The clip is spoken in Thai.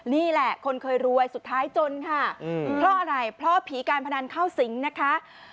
นี่แหละคนเคยรวยสุดท้ายจนค่ะเพราะอะไรเพราะผีการพนันเข้าสิงนะคะ